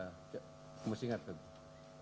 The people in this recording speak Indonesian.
kamu harus ingat